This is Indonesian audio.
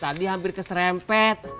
tadi hampir keserempet